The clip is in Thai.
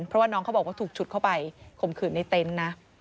เพราะว่าน้องเขาบอกว่าถูกฉุดเข้าไปข่มขืนในเต็นต์นะ